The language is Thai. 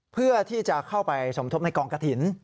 เพื่อที่จะเข้าไปสมทบในกองกระถิ่น